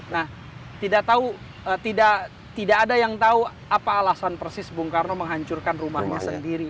nah tidak tahu tidak ada yang tahu apa alasan persis bung karno menghancurkan rumahnya sendiri